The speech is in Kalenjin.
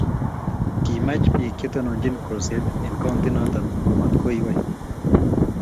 kimach biik chetononchini kolset eng kauntinoto komatkoiwei